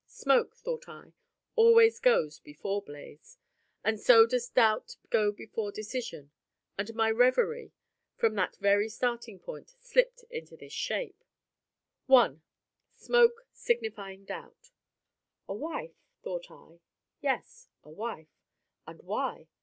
Smoke, thought I, always goes before blaze; and so does doubt go before decision: and my reverie, from that very starting point, slipped into this shape: I. SMOKE SIGNIFYING DOUBT A wife? thought I. Yes, a wife. And why?